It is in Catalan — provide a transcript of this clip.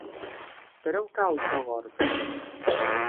Per on cau Sogorb?